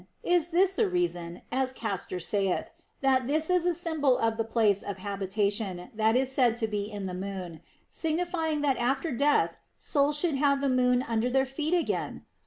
Is this the reason (as Castor saith), that this is a symbol of the place of habitation that is said to be in the moon, signifying that after death souls should have the moon under their feet again